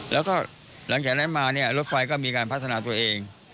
แล้วก็หลังจากนั้นมาเนี่ยรถไฟก็มีการพัฒนาตัวเอง